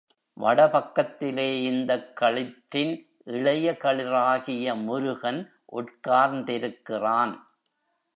வட பக்கத்திலே இந்தக் களிற்றின் இளைய களிறாகிய முருகன் உட்கார்ந்திருக்கிறான்.